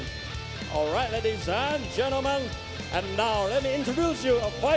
ทุกคนทุกคนขอแนะนำคุณพันที่สุดท้าย